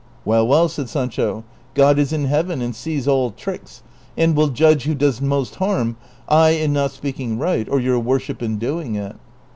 " AVell, well," said Sancho, '' God is in heaven, and sees all tricks, and will judge who does most harm, I in not speaking right, or your worship in doing it."